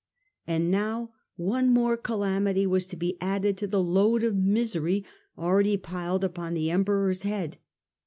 And now one more calamity was to be added to the load of misery already piled upon the emperor's head.